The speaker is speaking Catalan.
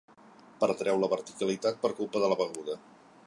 Perdreu la verticalitat per culpa de la beguda.